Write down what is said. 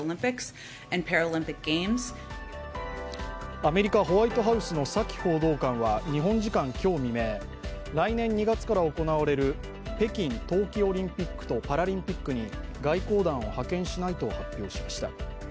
アメリカ・ホワイトハウスのサキ報道官は日本時間今日未明、来年２月から行われる北京冬季オリンピックとパラリンピックに外交団を派遣しないと発表しました。